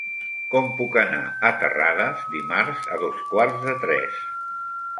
Com puc anar a Terrades dimarts a dos quarts de tres?